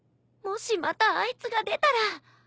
もしまたあいつが出たら。